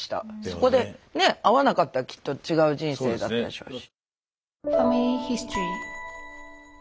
そこでね会わなかったらきっと違う人生だったでしょうし。